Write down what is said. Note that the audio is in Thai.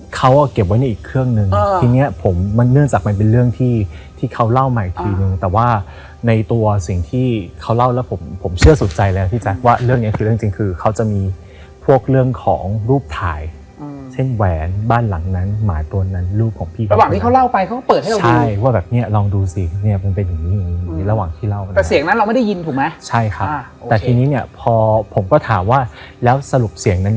เขาเอาเก็บไว้ในอีกเครื่องนึงทีเนี้ยผมมันเนื่องจากมันเป็นเรื่องที่ที่เขาเล่ามาอีกทีนึงแต่ว่าในตัวสิ่งที่เขาเล่าแล้วผมผมเชื่อสุดใจแล้วที่แจ๊คว่าเรื่องนี้คือเรื่องจริงคือเขาจะมีพวกเรื่องของรูปถ่ายเช่นแหวนบ้านหลังนั้นหมายตัวนั้นรูปของพี่กั๊กอัดเสียงโทรศัพท์ไว้บันทึกวีดีโอไว้ห